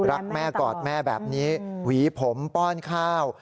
รักแม่กอดแม่แบบนี้หวีผมป้อนข้าว